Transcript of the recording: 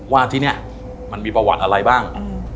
ว่าที่นี่มันมีประวัติอะไรบ้าง